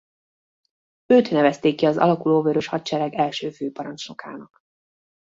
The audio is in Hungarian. Őt nevezték ki az alakuló Vörös Hadsereg első főparancsnokának.